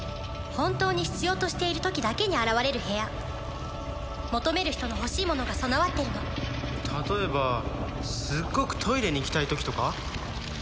本当に必要としている時だけに現れる部屋求める人の欲しいものが備わってるの例えばすっごくトイレに行きたい時とか？